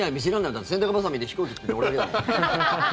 だって洗濯バサミで飛行機作ってるの俺だけだもん。